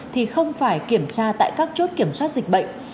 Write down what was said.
thì không phải kiểm tra tại các chốt kiểm soát dịch bệnh